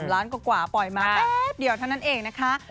ล้านกว่าปล่อยมาแป๊บเดียวเท่านั้นเองนะคะ